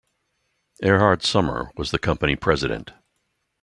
Erhard Sommer was the company president.